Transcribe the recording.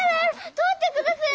取ってくだされ！